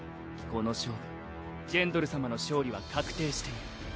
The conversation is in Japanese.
この勝負ジェンドル様の勝利は確定している。